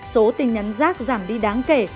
số tin nhắn rác giảm đi đáng kể